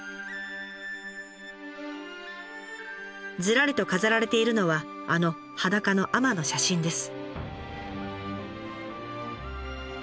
ずらりと飾られているのはあの裸の海女の写真です。